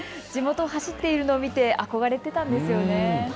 地元を走っているのを見て憧れていたんですよね。